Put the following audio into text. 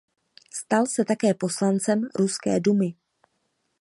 Stal se také poslancem ruské Dumy.